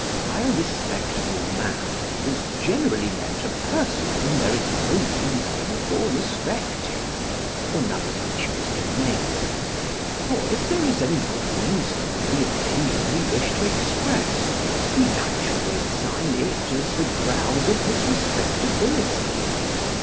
By a respectable man is generally meant a person whom there is no reason for respecting, or none that we choose to name : for if there is any good reason for the opinion we wish to express, we naturally assign it as the ground of his respectability.